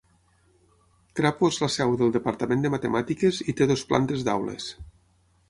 Crapo és la seu del departament de Matemàtiques i té dues plantes d'aules.